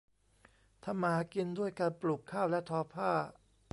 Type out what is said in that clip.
ทำมาหากินด้วยการปลูกข้าวและทอผ้า